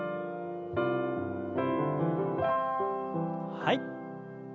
はい。